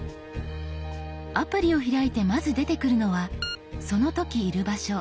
アプリを開いてまず出てくるのはその時いる場所